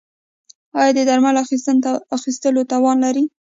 ایا د درملو اخیستلو توان لرئ؟